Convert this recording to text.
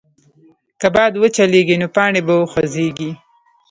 که باد وچلېږي، نو پاڼې به وخوځېږي.